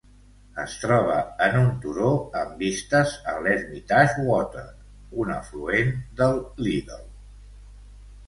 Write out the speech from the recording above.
Es troba en un turó amb vistes a l'Hermitage Water, un afluent del Liddel.